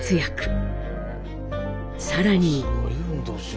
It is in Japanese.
更に。